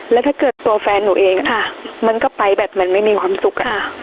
แล้วถ้าเกิดตัวแฟนหนูเองมันก็ไปแบบมันไม่มีความสุข